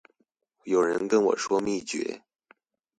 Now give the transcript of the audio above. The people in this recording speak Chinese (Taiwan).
有人跟我說秘訣